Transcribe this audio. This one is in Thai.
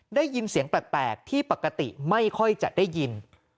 ได้ยินเสียงแปลกที่ปกติไม่ค่อยจะได้ยิน